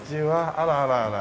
あらあらあら